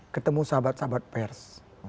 ketemu sahabat sahabat pers